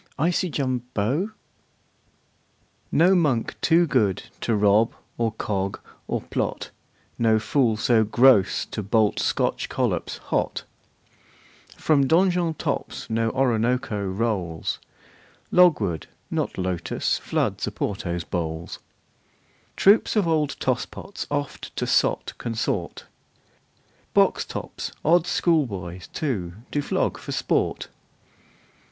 INCONTROVERTIBLE FACTS NO monk too good to rob, or cog, or plot, No fool so gross to bolt Scotch collops hot From Donjon tops no Oronooko rolls. Logwood, not lotos, floods Oporto's bowls. Troops of old tosspots oft to sot consort. Box tops our schoolboys, too, do flog for sport.